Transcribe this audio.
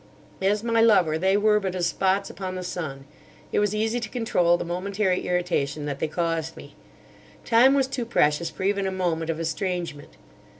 As my lover, they were but as spots upon the sun. It was easy to control the momentary irritation that they caused me. Time was too precious for even a moment of estrangement.